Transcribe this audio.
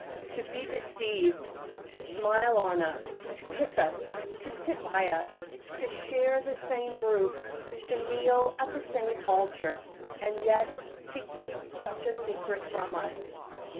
"To be deceived to smile on us, to kiss us, to sit by us, to share the same roof, to kneel at the same altar, and yet to keep such a secret from us!